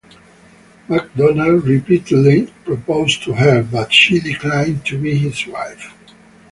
MacDonald repeatedly proposed to her, but she declined to be his wife.